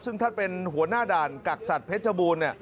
ซึ่งท่านเป็นหัวหน้าด่านกักสัตว์เพชรบูรณ์